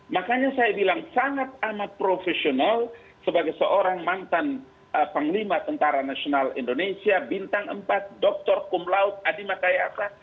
makanya saya bilang sangat amat profesional sebagai seorang mantan panglima tentara nasional indonesia bintang empat dr kumlaut adimataya